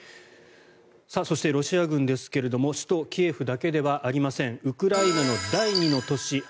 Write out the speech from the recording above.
そしてロシア軍ですが首都キエフだけではありませんウクライナの第２の都市